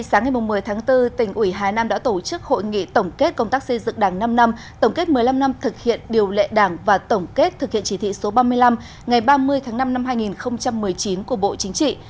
sáng ngày một mươi tháng bốn tỉnh ủy hà nam đã tổ chức hội nghị tổng kết công tác xây dựng đảng năm năm tổng kết một mươi năm năm thực hiện điều lệ đảng và tổng kết thực hiện chỉ thị số ba mươi năm ngày ba mươi tháng năm năm hai nghìn một mươi chín của bộ chính trị